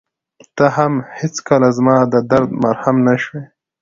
ته هم هېڅکله زما د درد مرهم نه شوې.